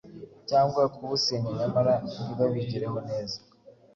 cyangwa kuwusenya nyamara ntibabigereho neza